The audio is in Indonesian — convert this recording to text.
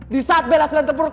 di saat bella sedang terpur